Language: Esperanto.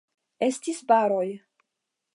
Estis baroj.